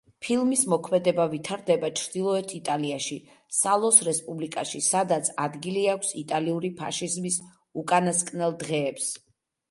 ფილმის მოქმედება ვითარდება ჩრდილოეთ იტალიაში, სალოს რესპუბლიკაში, სადაც ადგილი აქვს იტალიური ფაშიზმის უკანასკნელ დღეებს.